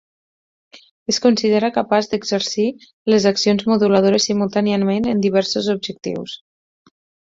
Es considera capaç de exercir les accions moduladores simultàniament en diversos objectius.